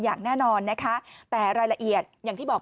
อย่างแน่นอนนะคะแต่รายละเอียดอย่างที่บอก